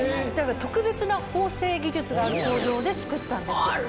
特別な縫製技術がある工場で作ったんです。